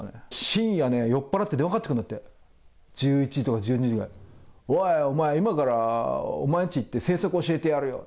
深夜ね、酔っ払って電話かかってくるんだって、１１時とか１２時ぐらい、おい、お前、今からお前んち行って、政策教えてやるよ。